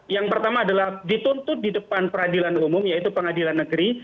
yang pertama adalah dituntut di depan peradilan umum yaitu pengadilan negeri